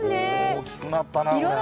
大きくなったなこれ。